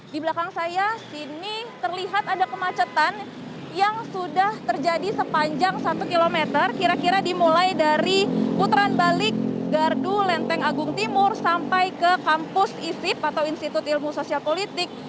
di belakang saya sini terlihat ada kemacetan yang sudah terjadi sepanjang satu km kira kira dimulai dari putaran balik gardu lenteng agung timur sampai ke kampus isip atau institut ilmu sosial politik